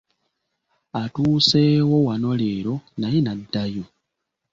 Atuuseewo wano leero naye n’addayo.